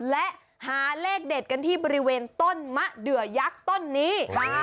และหาเลขเด็ดกันที่บริเวณต้นมะเดือยักษ์ต้นนี้